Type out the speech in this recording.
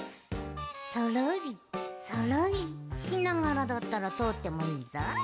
そろりそろりしながらだったらとおってもいいぞ。